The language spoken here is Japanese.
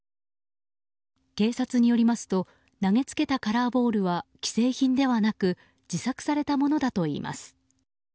警察によりますと投げつけたカラーボールは既製品ではなく自作されたものだといいます。